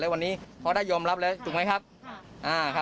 เราก็ต้องยุติให้เขา